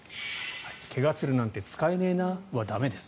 怪我するなんて使えないなは駄目です。